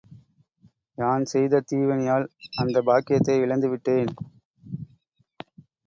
யான் செய்த தீவினையால் அந்த பாக்கியத்தை இழந்து விட்டேன்.